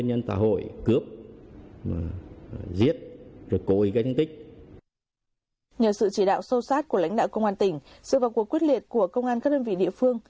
nhờ sự chỉ đạo sâu sát của lãnh đạo công an tỉnh sự vào cuộc quyết liệt của công an các đơn vị địa phương